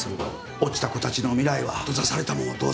落ちた子たちの未来は閉ざされたも当然。